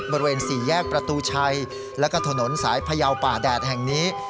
บริเวณ๔แยกประตูชัยแล้วก็ถนนสายพยาวป่าแดดแห่งนี้